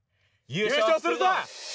優勝するぞ！